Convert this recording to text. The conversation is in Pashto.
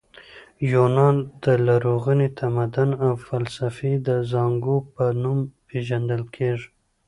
یونان د لرغوني تمدن او فلسفې د زانګو په نوم پېژندل کیږي.